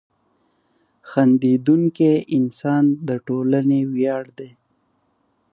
• خندېدونکی انسان د ټولنې ویاړ دی.